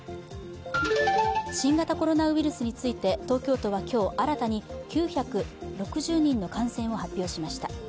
新型コロナウイルスについて、東京都は今日新たに９６０人の感染を発表しました。